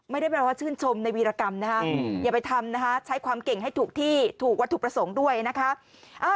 ไม่ได้แปลว่าชื่นชมในวีรกรรมนะคะอย่าไปทำนะคะใช้ความเก่งให้ถูกที่ถูกวัตถุประสงค์ด้วยนะคะ